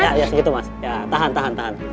ya segitu mas ya tahan tahan tahan